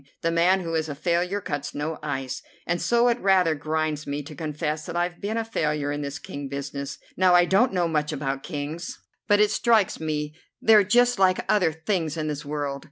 The man who is a failure cuts no ice. And so it rather grinds me to confess that I've been a failure in this King business. Now I don't know much about Kings, but it strikes me they're just like other things in this world.